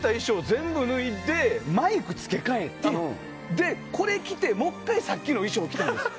全部脱いで、マイク付け替えてで、これ着てもう１回、最初の衣装を着たんですよ。